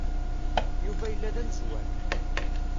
Yuba yella d amezwar.